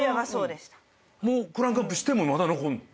クランクアップしてもまだ残んの？